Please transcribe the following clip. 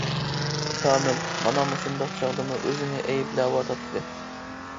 كامىل مانا مۇشۇنداق چاغدىمۇ ئۆزىنى ئەيىبلەۋاتاتتى.